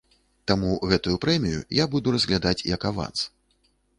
Таму гэтую прэмію я буду разглядаць як аванс.